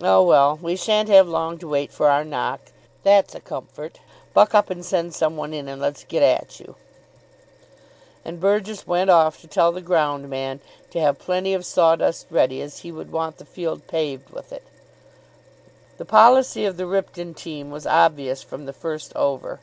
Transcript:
"Oh, well, we sha'n't have long to wait for our knock, that's a comfort. Buck up and send some one in, and let's get at you." And Burgess went off to tell the ground man to have plenty of sawdust ready, as he would want the field paved with it. The policy of the Ripton team was obvious from the first over.